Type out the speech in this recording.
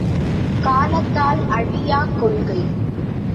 காலத்தால் அழியாக் கொள்கை.